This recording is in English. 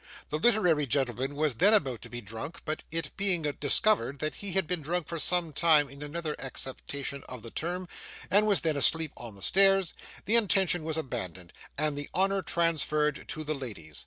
The literary gentleman was then about to be drunk, but it being discovered that he had been drunk for some time in another acceptation of the term, and was then asleep on the stairs, the intention was abandoned, and the honour transferred to the ladies.